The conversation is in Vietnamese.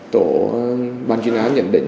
tổ ban chuyên án nhận định